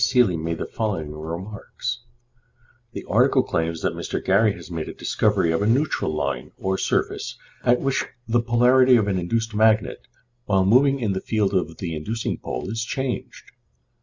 Seeley made the following remarks: The article claims that Mr. Gary has made a discovery of a neutral line or surface, at which the polarity of an induced magnet, while moving in the field of the inducing pole, is changed.